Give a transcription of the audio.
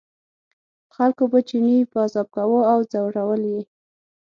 خلکو به پر چیني پازاب کاوه او ځورول یې.